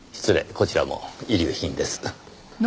こちらも遺留品です。